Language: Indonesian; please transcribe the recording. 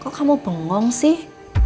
kok kamu bengong sih